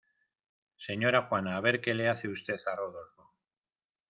Señora juana a ver qué le hace usted a rodolfo.